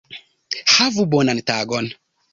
Havu bonan tagon!